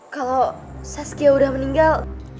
kalau saskia udah meninggal